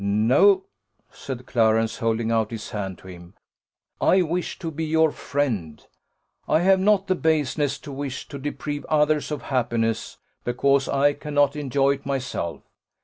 "No," said Clarence, holding out his hand to him; "I wish to be your friend. I have not the baseness to wish to deprive others of happiness because I cannot enjoy it myself.